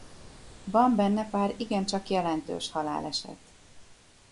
Van benne pár igencsak jelentős haláleset.